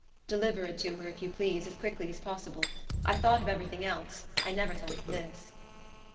"Deliver it to her, if you please, as quickly as possible. I thought of everything else. I never thought of this."